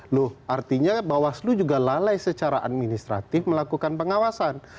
loh artinya bawaslu juga lalai secara administratif melakukan pengawasan